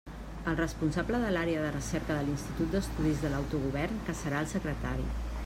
El responsable de l'Àrea de Recerca de l'Institut d'Estudis de l'Autogovern, que serà el secretari.